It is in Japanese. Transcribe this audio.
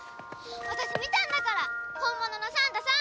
私見たんだから本物のサンタさん！